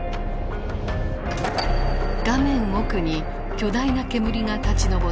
画面奥に巨大な煙が立ち昇っている。